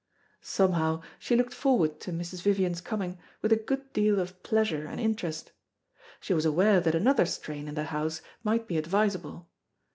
Somehow she looked forward to Mrs. Vivian's coming with a good deal of pleasure and interest. She was aware that another strain in the house might be advisable.